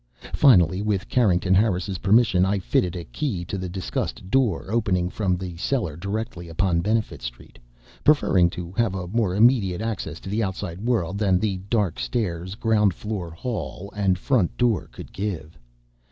Finally, with Carrington Harris's permission, I fitted a key to the disused door opening from the cellar directly upon Benefit Street, preferring to have a more immediate access to the outside world than the dark stairs, ground floor hall, and front door could give.